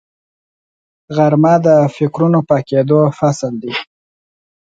غرمه د فکرونو پاکېدو فصل دی